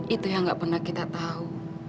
itu yang nggak pernah kita tahu